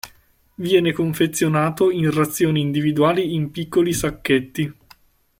Viene confezionato in razioni individuali in piccoli sacchetti.